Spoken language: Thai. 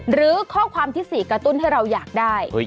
หรือข้อความที่๔กระตุ้นให้เราอยากได้